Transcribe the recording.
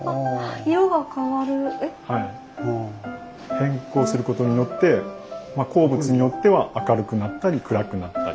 偏光することによって鉱物によっては明るくなったり暗くなったり。